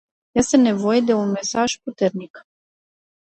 Este nevoie de un mesaj puternic.